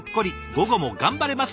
午後も頑張れます！」